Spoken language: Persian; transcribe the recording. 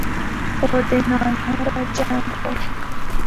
خرده نانها را جمع کن.